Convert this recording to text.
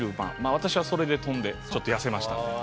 私はそれで跳んでちょっと痩せました。